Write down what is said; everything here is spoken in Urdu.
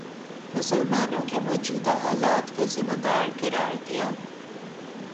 مسلمانوں کے موجودہ حالات کا ذمہ دار قرار دیا